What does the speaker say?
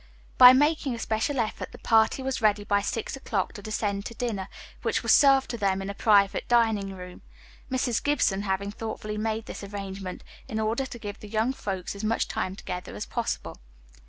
By making a special effort, the party was ready by six o'clock to descend to dinner, which was served to them in a private dining room, Mrs. Gibson having thoughtfully made this arrangement, in order to give the young folks as much time together as possible.